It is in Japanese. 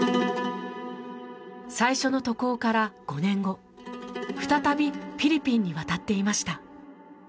最初の渡航から５年後再びフィリピンに渡っていました。